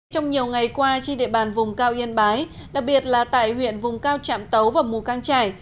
trong nhiều ngày qua trên địa bàn vùng cao yên bái đặc biệt là tại huyện vùng cao trạm tấu và mù căng trải